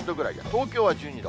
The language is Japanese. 東京は１２度。